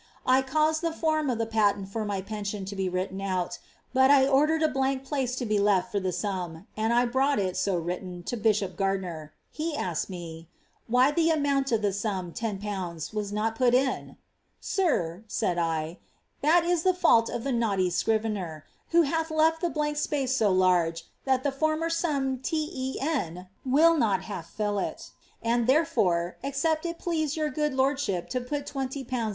I caused the form of the patent for my penifion to be written out, but I ordered a blank place to be left for tlie sum, and I brought it so written to bishop Gardiner; he asked me, ^ Why the amount of the sum, ten pounds, was not put in ?'^ Sir,' said I, ^ that is the fault of the naughty scrivener, who hath withal left the blank space so large, that the former sum t e n will not half fill, it, and tlierefore, except it please your good lordship to put twenty pounds * The ancHrdou* ih in one of hi.